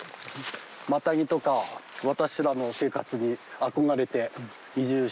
マタギとか私らの生活に憧れて移住してきた。